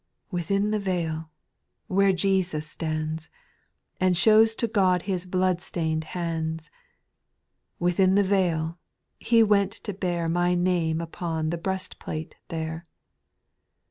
8. Within the vail, — where Jesus stands, And shows to God His blood stained hands Within the vail, — He went to bear My name upon the breast plate there.